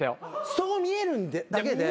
そう見えるだけで。